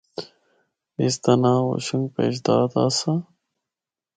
اس دا ناں’ہوشنگ پیشداد‘ آسا۔